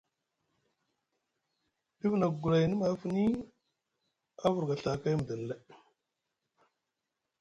Dif na gulayni maafini, a vurga Ɵaakai midini lay.